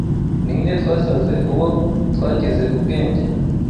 Ninde twasaze, uwo twagize ubwenge